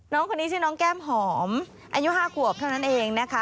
น้องคนนี้ชื่อน้องแก้มหอมอายุ๕ขวบเท่านั้นเองนะคะ